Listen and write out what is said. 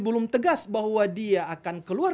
belum tegas bahwa dia akan keluar